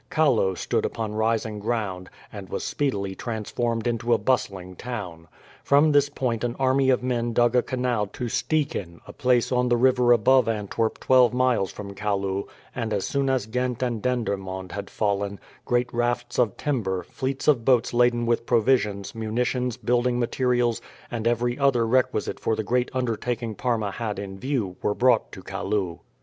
Kallo stood upon rising ground, and was speedily transformed into a bustling town. From this point an army of men dug a canal to Steeken, a place on the river above Antwerp twelve miles from Kalloo, and as soon as Ghent and Dendermonde had fallen, great rafts of timber, fleets of boats laden with provisions, munitions, building materials, and every other requisite for the great undertaking Parma had in view were brought to Kalloo.